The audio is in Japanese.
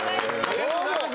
ありがとうございます。